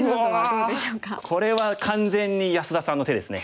これは完全に安田さんの手ですね。